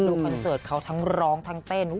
คอนเสิร์ตเขาทั้งร้องทั้งเต้น